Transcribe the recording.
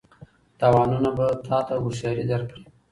تاوانونه به تا ته هوښیاري درکړي.